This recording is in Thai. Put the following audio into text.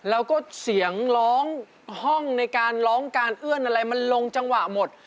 แล้วก็เสียงร้องห้องในการร้องการเอื้อนอะไรมันลงจังหวะหมด